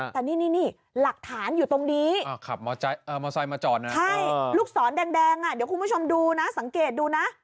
แต่นี่หลักฐานอยู่ตรงนี้มอไซค์มาจอดนะใช่ลูกศรแดงเดี๋ยวคุณผู้ชมดูนะสังเกตดูนะ